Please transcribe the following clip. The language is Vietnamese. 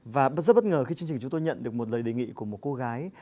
và rất bất ngờ khi chương trình chúng tôi nhận được một lời đề nghị của một cô gái